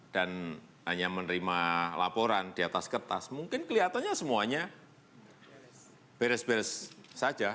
dan hanya menerima laporan di atas kertas mungkin kelihatannya semuanya beres beres saja